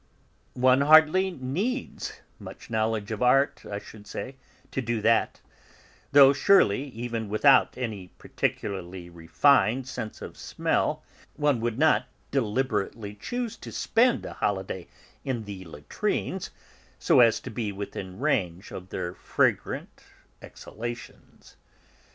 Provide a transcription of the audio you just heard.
One hardly needs much knowledge of art, I should say, to do that; though, surely, even without any particularly refined sense of smell, one would not deliberately choose to spend a holiday in the latrines, so as to be within range of their fragrant exhalations."